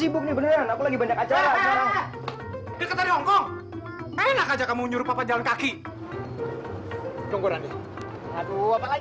belum anda ngelakuin itu